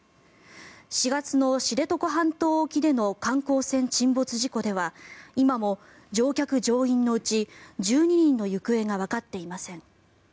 ４月の知床半島沖での観光船沈没事故では今も乗客・乗員のうち１２人の行方がわかっていません。